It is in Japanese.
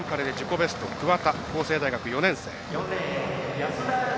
ベスト桑田、法政大学４年生。